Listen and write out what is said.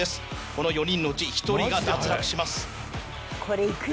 この４人のうち１人が脱落します。